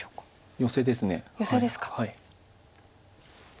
ヨセですか。